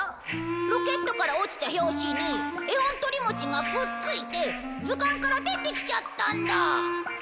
ロケットから落ちた拍子に絵本とりもちがくっついて図鑑から出てきちゃったんだ。